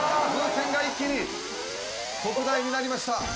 風船が一気に特大になりました